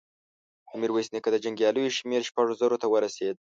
د ميرويس نيکه د جنګياليو شمېر شپږو زرو ته ورسېد.